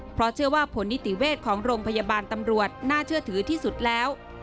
เพราะเชื่อว่าผลนิติเวชของโรงพยาบาลตำรวจน่าเชื่อถือที่สุดแล้ว